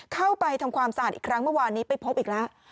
เข้าไปทำความสะอาดอีกครั้งเมื่อวานนี้ไปพบอีกแล้ว